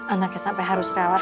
anaknya sampai harus rawat